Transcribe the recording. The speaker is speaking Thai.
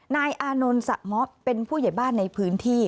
นายอานนท์สะเมาะเป็นผู้ใหญ่บ้านในพื้นที่